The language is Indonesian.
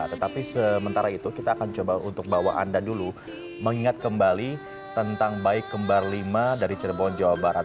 tetapi sementara itu kita akan coba untuk bawa anda dulu mengingat kembali tentang baik kembar lima dari cirebon jawa barat